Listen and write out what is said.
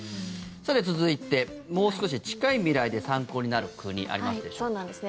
さて、続いてもう少し近い未来で参考になる国ありますでしょうか。